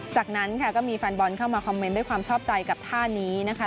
จากนั้นค่ะก็มีแฟนบอลเข้ามาคอมเมนต์ด้วยความชอบใจกับท่านี้นะคะ